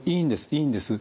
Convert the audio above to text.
いいんです。